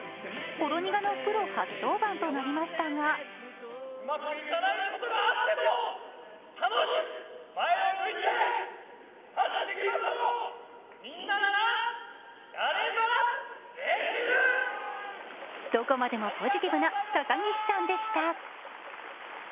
ほろ苦のプロ初登板となりましたがどこまでもポジティブな高岸さんでした。